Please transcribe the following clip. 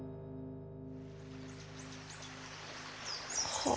はあ。